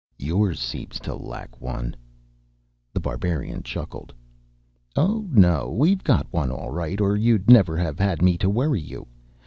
"Yours seems to lack one." The Barbarian chuckled. "Oh, no. We've got one, all right, or you'd never have had me to worry you.